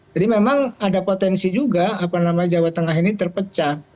jadi memang ada potensi juga apa namanya jawa tengah ini terpecah